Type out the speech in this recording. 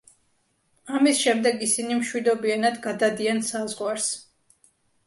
ამის შემდეგ ისინი მშვიდობიანად გადადიან საზღვარს.